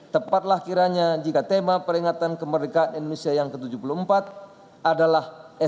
tepatlah kiranya jika tema peringatan kemerdekaan indonesia yang ke tujuh puluh empat adalah sdm unggul indonesia maju